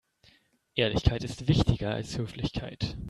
Ehrlichkeit ist wichtiger als Höflichkeit.